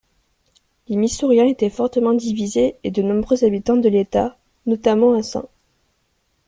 Les Missouriens étaient fortement divisés et de nombreux habitants de l'État, notamment à St.